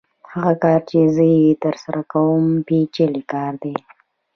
هغه کار چې زه یې ترسره کوم پېچلی کار دی